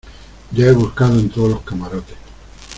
ya he buscado en todos los camarotes.